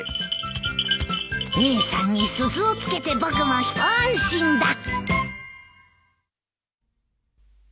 姉さんに鈴を付けて僕も一安心だ。